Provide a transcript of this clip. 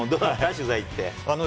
取材行って。